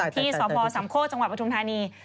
ที่สพสามโคกจังหวัดปทุมธานี